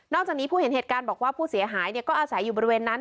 จากนี้ผู้เห็นเหตุการณ์บอกว่าผู้เสียหายก็อาศัยอยู่บริเวณนั้น